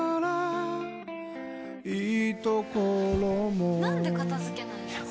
いいところもなんで片付けないの？